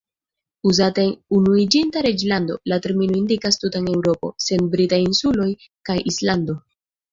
Uzata en Unuiĝinta Reĝlando, la termino indikas tutan Eŭropon, sen Britaj Insuloj kaj Islando.